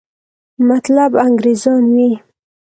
مطلب انګریزان وي.